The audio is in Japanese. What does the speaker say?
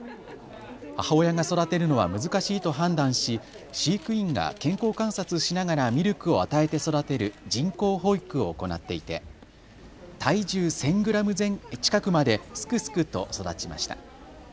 母親が育てるのは難しいと判断し飼育員が健康観察しながらミルクを与えて育てる人工哺育を行っていて体重１０００グラム近くまですくすくと育ちました。